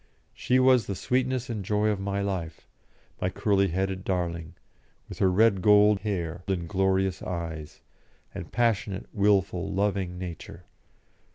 She was the sweetness and joy of my life, my curly headed darling, with her red gold hair and glorious eyes, and passionate, wilful, loving nature.